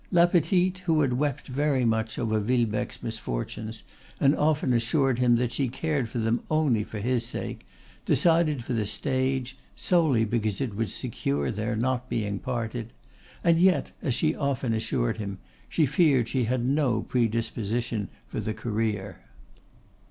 La Petite, who had wept very much over Villebecque's misfortunes, and often assured him that she cared for them only for his sake, decided for the stage, solely because it would secure their not being parted; and yet, as she often assured him, she feared she had no predisposition for the career.